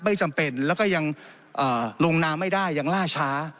ไม่จำเป็นแล้วก็ยังลงนามไม่ได้ยังล่าช้า